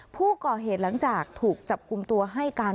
ผู้ก่อเหตุหลังจากถูกจับกลุ่มตัวให้การ